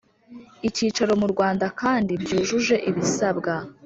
Icyicaro mu rwanda kandi byujuje ibisabwa